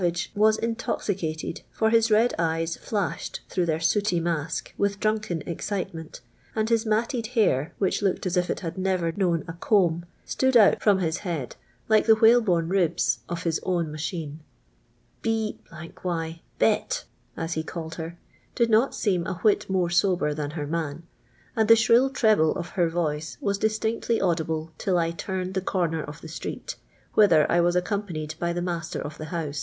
ig wa^ into.vicattrd, for his red eyfs H'»*hed through his sooty mask with dnniken e\cit'fm''nt, and his matted hair, which looked as if it h:id never known a comb, stood out friim Ills head like tlie whnlebnne ribs of his own maiiiine. " li — y Hot." as he calleil her, did not ►e:'m a wliit more sober than her man ; and the y'lir'.ll treble of h r voice was distinctly audible till I turned the corner of the street, whither I was accimipanied by the nia&ter of the hou e.